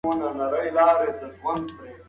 تاسي ولي په خپله ځواني کي له دین څخه لیري یاست؟